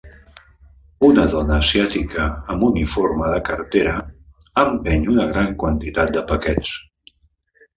Una dona asiàtica amb uniforme de cartera empeny una gran quantitat de paquets.